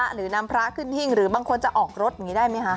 หรือนำพระขึ้นหิ้งหรือบางคนจะออกรถอย่างนี้ได้ไหมคะ